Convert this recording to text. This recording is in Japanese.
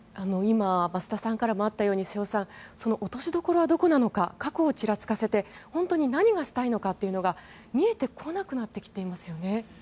今、増田さんからもあったように、瀬尾さんその落としどころはどこなのか核をちらつかせて本当に何がしたいのかが見えてこなくなってきていますよね。